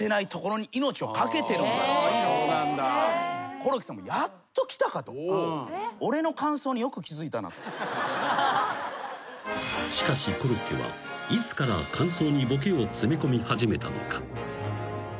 コロッケさんも「やっときたか」と。すごっ。［しかしコロッケはいつから間奏にボケを詰め込み始めたのか？］